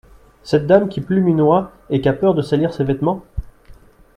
Cette madame qui plume une oie et qu’a peur de salir ses vêtements ?